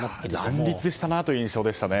乱立したなという印象でしたね。